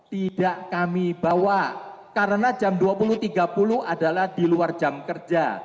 tidak kami bawa karena jam dua puluh tiga puluh adalah di luar jam kerja